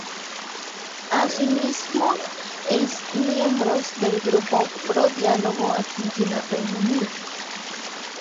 Asimismo, es miembro del Grupo Pro Diálogo Argentina-Reino Unido.